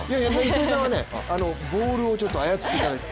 糸井さんはボールを操っていただいて。